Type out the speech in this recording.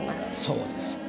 そうですか。